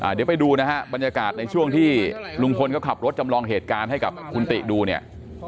เดี๋ยวไปดูนะฮะบรรยากาศในช่วงที่ลุงพลเขาขับรถจำลองเหตุการณ์ให้กับคุณติดูเนี่ย